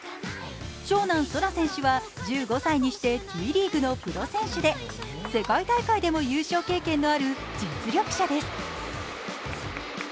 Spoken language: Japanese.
長男、輝空選手は１５歳にしてプロ選手でＴリーグのプロ選手で、世界選手権でも入賞経験のある実力者です。